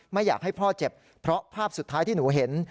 ไม่อยากให้พ่อเจ็บเพราะภาพสุดท้ายที่หนูเห็น